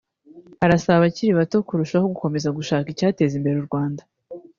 Arasaba abakiri bato kurushaho gukomeza gushaka icyateza imbere u Rwanda